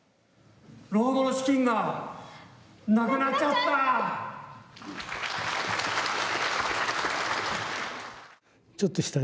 老後の資金がなくなっちゃった。